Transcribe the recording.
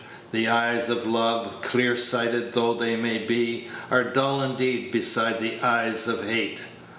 The eyes of love, clear sighted though they may be, are dull indeed beside the eyes of hate.